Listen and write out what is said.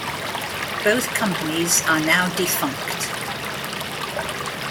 Both companies are now defunct.